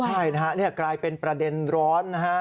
ใช่นะฮะนี่กลายเป็นประเด็นร้อนนะฮะ